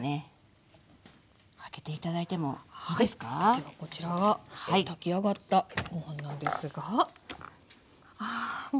ではこちらが炊き上がったご飯なんですがあもう。